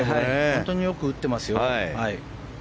本当によく打ってますよ。